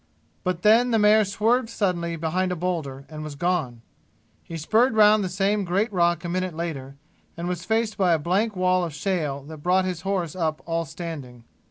But then the mare swerved suddenly behind a boulder and was gone. He spurred round the same great rock a minute later, and was faced by a blank wall of shale that brought his horse up all standing.